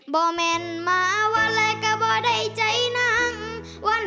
เดอร์เดกเขาว่าเดอร์เดกอีกครั้ง